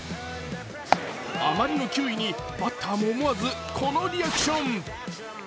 あまりの球威にバッターも思わずこのリアクション。